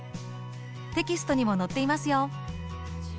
テキストにも載っていますよ。